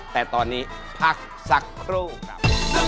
แต่ตอนนี้พักสักครู่ครับ